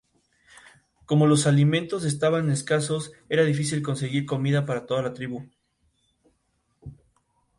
El avance en el centro de la herramienta será constante al aplicar esta orden.